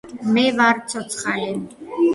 მე ვარ ცოცხალი